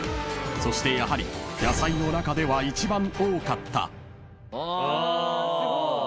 ［そしてやはり野菜の中では一番多かった］